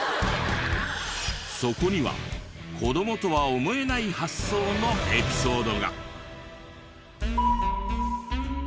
そこには子どもとは思えない発想のエピソードが。